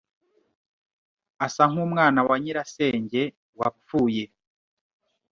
asa nkumwana wa nyirasenge wapfuye